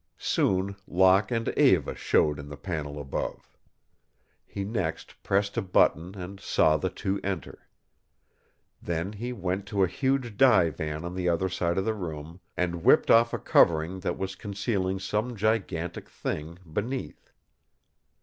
Soon Locke and Eva showed in the panel above. He next pressed a button and saw the two enter. Then he went to a huge divan on the other side of the room and whipped off a covering that was concealing some gigantic thing beneath.